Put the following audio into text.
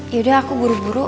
yaudah aku buru buru